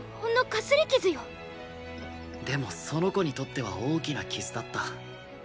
でもその子にとっては大きな傷だった。